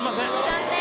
残念。